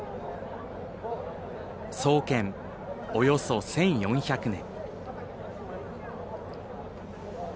創建、およそ１４００年。